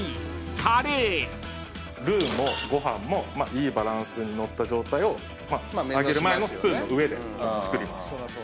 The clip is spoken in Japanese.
ルーもご飯もいいバランスに載った状態を上げる前のスプーンの上で作ります。